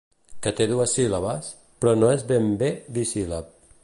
Que té dues síl·labes però no és ben bé bisíl·lab.